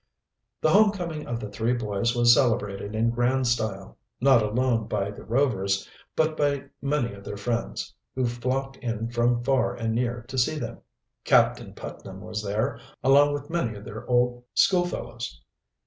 The home coming of the three boys was celebrated in grand style, not alone by the Covers, but by many of their friends, who flocked in from far and near to see them. Captain Putnam was there, along with many of their old schoolfellows.